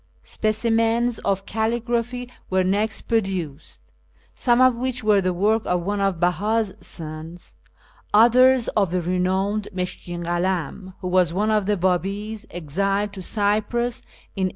Specimens of calligraphy were next produced, some of which were the work of one of Beh; i's sons, others of the renowned Mushkin Kalam, who was one of the Babis exiled to Cyprus in A.